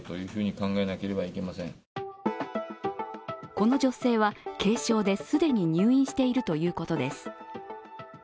この女性は軽症で既に入院しているということです。